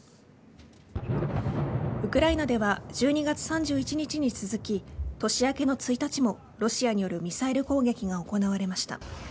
ウクライナでは１２月３１日に続き年明けの１日もロシアによるミサイル攻撃が行われました。